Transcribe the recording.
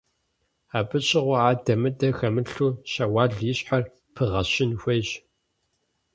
Абы щыгъуэ адэ-мыдэ хэмылъу Щэуал и щхьэр пыгъэщын хуейщ.